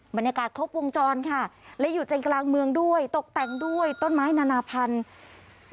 บรรยากาศครบวงจรค่ะและอยู่ใจกลางเมืองด้วยตกแต่งด้วยต้นไม้นานาพันธุ์